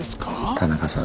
田中さん